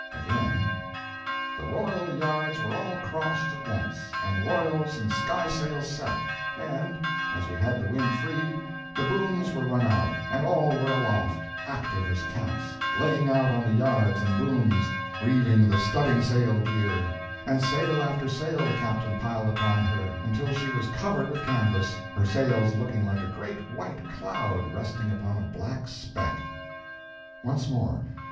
Again: The royal yards were all crossed at once, and royals and sky sails set, and, as we had the wind free, the booms were run out, and all were aloft, active as cats, laying out on the yards and booms, reeving the studding sail gear; and sail after sail the captain piled upon her, until she was covered with canvas, her sails looking like a great white cloud resting upon a black speck. Once more.